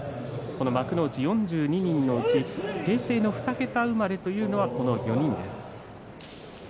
この幕内４２人のうち平成の２桁生まれというのはこの４人です。